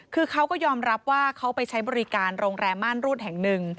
คือเขาก็ยอมรับว่าเขาไปใช้บริการโรงแรมม่านรูดแห่งหนึ่ง